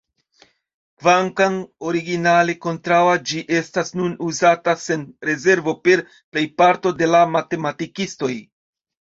Kvankam originale kontraŭa, ĝi estas nun uzata sen rezervo per plejparto de matematikistoj.